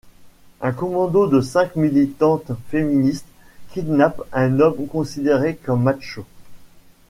Un commando de cinq militantes féministes kidnappe un homme considéré comme macho.